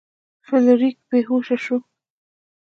فلیریک بې هوښه شو.